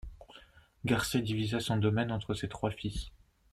Garcia divisa son domaine entre ses trois fils.